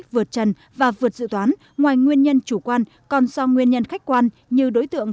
vượt trần và vượt dự toán ngoài nguyên nhân chủ quan còn do nguyên nhân khách quan như đối tượng